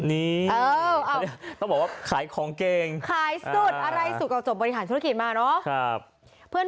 อันนี้ต้องบอกว่าขายของเก่งขายสุดอะไรสุดก็จบบริหารธุรกิจมาเนอะ